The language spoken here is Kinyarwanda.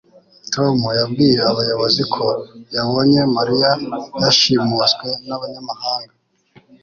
tom yabwiye abayobozi ko yabonye mariya yashimuswe n'abanyamahanga